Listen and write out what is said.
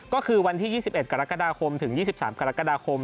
ก็คือวันที่๒๑กรกฎาคมถึง๒๓กรกฎาคม